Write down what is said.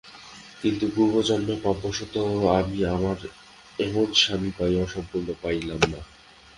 কিন্তু পূর্বজন্মের পাপবশত আমি আমার এমন স্বামী পাইয়াও সম্পূর্ণ পাইলাম না।